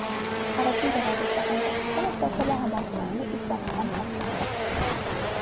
Առաջին գեղարվեստական կրթությունը ստացել է համալսարանի իսպանական թատրոնում։